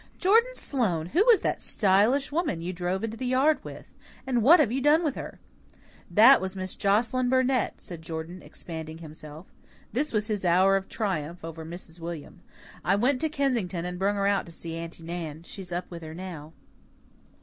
"Jordan Sloane, who was that stylish woman you drove into the yard with? And what have you done with her?" "That was Miss Joscelyn Burnett," said Jordan, expanding himself. This was his hour of triumph over Mrs. William. "I went to Kensington and brung her out to see Aunty Nan. She's up with her now."